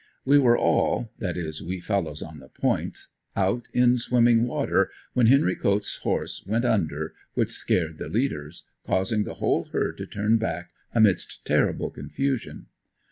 We were all that is we fellows on the points out in swimming water when Henry Coats' horse went under, which scared the leaders, causing the whole herd to turn back amidst terrible confusion.